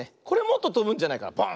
これもっととぶんじゃないかな。